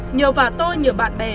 nhờ và tôi nhờ bạn bè